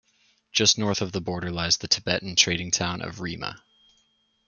Just north of the border lies the Tibetan trading town of Rima.